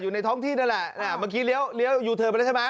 อยู่ในท้องที่นั่นแหละเนี่ยเมื่อกี้เลี้ยวเลี้ยวยูเทิร์นไปแล้วใช่ไหม